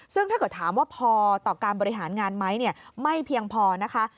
ซึ่งถ้าเกิดถามว่าพอต่อการบริหารงานไหมไม่เพียงพอนะคะ